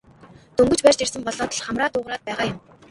Дөнгөж барьж ирсэн болоод л хамраа дуугаргаад байгаа юм.